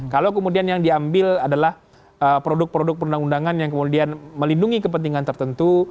kalau kemudian yang diambil adalah produk produk perundang undangan yang kemudian melindungi kepentingan tertentu